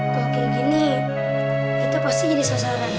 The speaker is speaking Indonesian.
kalau kayak gini kita pasti jadi sasaran